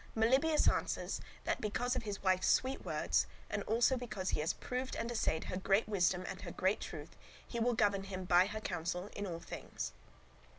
Melibœus answers that because of his wife's sweet words, and also because he has proved and assayed her great wisdom and her great truth, he will govern him by her counsel in all things.